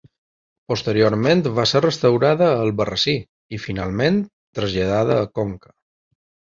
Posteriorment va ser restaurada a Albarrasí i, finalment, traslladada a Conca.